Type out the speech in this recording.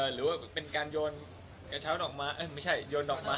หรือว่าเป็นการโยนเจ้าเจ้านอกม้าเอ้ยไม่ใช่โยนนอกม้า